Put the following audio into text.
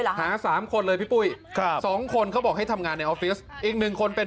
อาจจะได้เงินเยอะกว่าเพื่อนอาจจะได้เงินเยอะเพื่อน